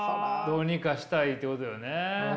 どうにかしたいってことよね？